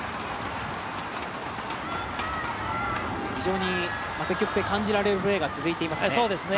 非常に積極性を感じられるプレーが続いていますね。